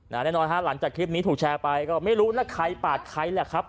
แน่นอนฮะหลังจากคลิปนี้ถูกแชร์ไปก็ไม่รู้นะใครปาดใครแหละครับ